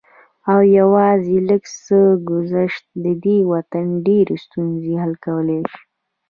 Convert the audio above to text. او يوازې لږ څه ګذشت د دې وطن ډېرې ستونزې حل کولی شي